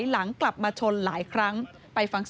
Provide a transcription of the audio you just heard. นี่เป็นคลิปวีดีโอจากคุณบอดี้บอยสว่างอร่อย